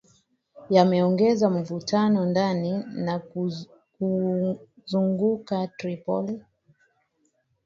Yameongeza mvutano ndani na kuzunguka Tripoli